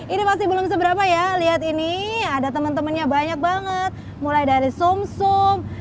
ini masih belum seberapa ya lihat ini ada temen temennya banyak banget mulai dari somsom